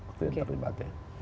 itu yang terlibatnya